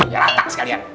ya ratak sekalian